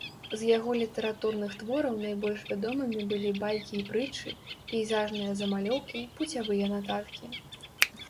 З яго літаратурных твораў найбольш вядомымі былі байкі і прытчы, пейзажныя замалёўкі, пуцявыя нататкі.